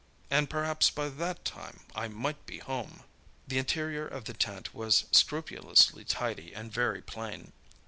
And perhaps by that time I might be home!" The interior of the tent was scrupulously tidy and very plain.